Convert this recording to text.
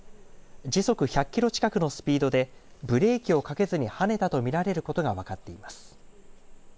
時速１００キロ近くのスピードでブレーキをかけずにはねたと見られることが分かっています。